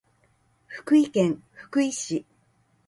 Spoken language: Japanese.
福井県福井市